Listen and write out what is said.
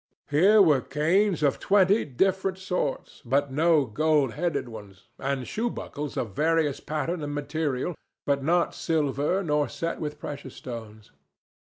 Here were canes of twenty different sorts, but no gold headed ones, and shoebuckles of various pattern and material, but not silver nor set with precious stones.